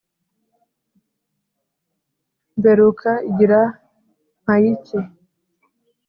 mberuka igira mpayiki